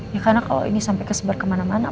ya karena kalau ini sampai kesebar kemana mana